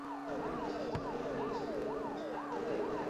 তখন তাহার নিজের সাজসজ্জা তাহাকে সর্বাঙ্গে বেষ্টন করিয়া পরিহাস করিতে লাগিল।